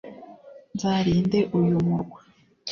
nzarinde uyu murwa.’»